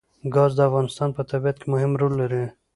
ګاز د افغانستان په طبیعت کې مهم رول لري.